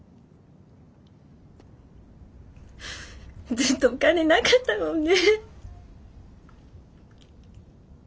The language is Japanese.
ずっとお金なかったもんね。